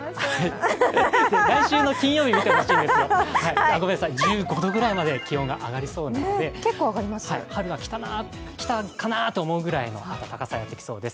来週の金曜日は１５度くらいまで上がりそうなので、春が来たかなと思うくらいの暖かさがやってきそうです。